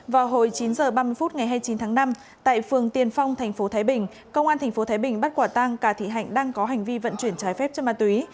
vào hồi chín h ba mươi phút ngày hai mươi chín tháng năm tại phường tiền phong tp thái bình công an tp thái bình bắt quả tang cà thị hạnh đang có hành vi vận chuyển trái phép cho ma túy